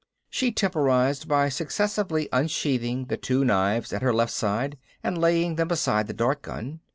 She temporized by successively unsheathing the two knives at her left side and laying them beside the dart gun.